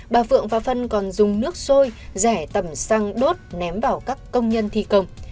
bà phượng và phân còn dùng nước sôi rẻ tẩm xăng đốt ném vào các công nhân thi công